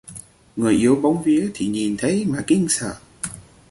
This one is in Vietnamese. Người yếu bóng vía thì nhìn thấy mà kinh sợ